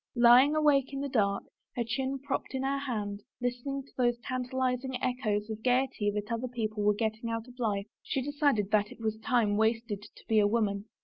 Lying awake in the dark, her chin propped in her hand, listening to those tantalizing echoes of the gayety that other people were getting out of life, she decided that it was time wasted to be a woman.